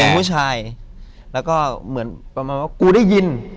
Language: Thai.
เสียงผู้ชายแล้วก็เหมือนปอมาว่ากูได้ยิน